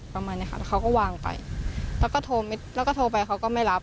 ประมาณนี้ค่ะแล้วเขาก็วางไปแล้วก็โทรแล้วก็โทรไปเขาก็ไม่รับ